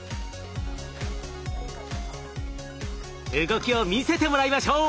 動きを見せてもらいましょう。